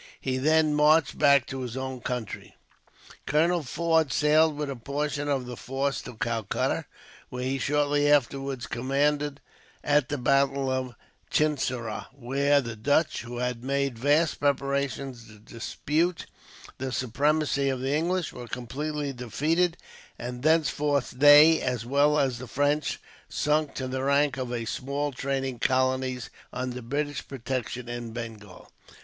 He then marched back to his own country. Colonel Forde sailed with a portion of the force to Calcutta, where he shortly afterwards commanded at the battle of Chinsurah, where the Dutch, who had made vast preparations to dispute the supremacy of the English, were completely defeated; and thenceforth they, as well as the French, sunk to the rank of small trading colonies under British protection, in Bengal.